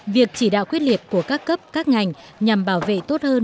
việc chỉ đạo quyết liệt của các cấp các ngành nhằm bảo vệ tốt hơn